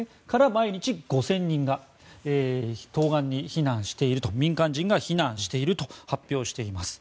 毎日５０００人が東岸に避難していると民間人が避難していると発表しています。